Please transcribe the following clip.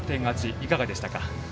いかがでしたか？